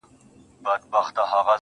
زما سجده دي ستا د هيلو د جنت مخته وي.